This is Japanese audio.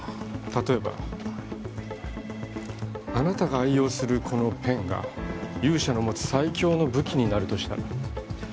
例えばあなたが愛用するこのペンが勇者の持つ最強の武器になるとしたら？